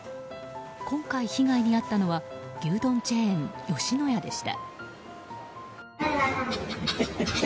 今回被害に遭ったのは牛丼チェーン、吉野家でした。